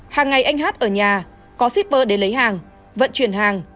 hàng ngày anh hát ở nhà có shipper để lấy hàng vận chuyển hàng